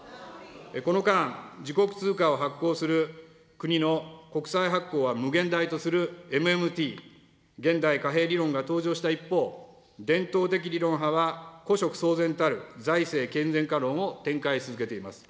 この間、自国通貨を発行する国の国債発行は無限大とするＭＭＴ・現代貨幣理論が登場した一方、伝統的理論派は古色そう然たる財政健全化論を展開し続けています。